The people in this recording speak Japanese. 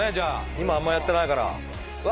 今はあんまやってないからうわ